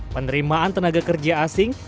penerimaan tenaga kerja asing